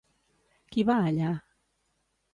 Qui va allà?